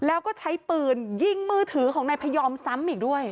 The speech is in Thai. แล้วก็ใช้ปืนยิงมือถือของนายพยอมซ้ำอีกด้วย